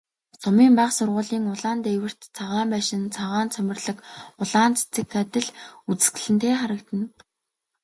Сумын бага сургуулийн улаан дээвэрт цагаан байшин, цагаан цоморлог улаан цэцэг адил үзэсгэлэнтэй харагдана.